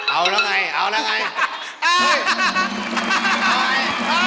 เอาแล้วไงเอาแล้วไง